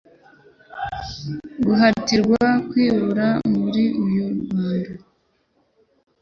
guhatirwa kwibira muri uyu mwanda